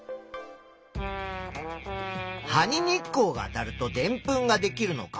「葉に日光があたるとでんぷんができるのか」